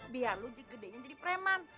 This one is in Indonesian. biar lu digedein jadi preman